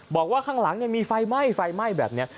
บอกว่าข้างหลังมีไฟไหม้ไฟไหม้แบบนี้